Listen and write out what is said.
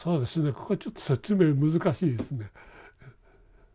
ここちょっと説明難しいですね。